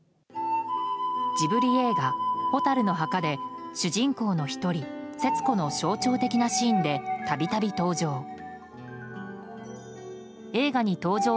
ジブリ映画「火垂るの墓」で主人公の１人節子の象徴的なシーンで度々、登場。